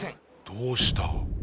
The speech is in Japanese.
どうした？